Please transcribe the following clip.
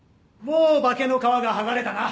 もう化けの皮が剥がれたな！